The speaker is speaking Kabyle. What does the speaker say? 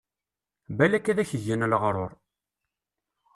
Balak ad ak-gen leɣrur.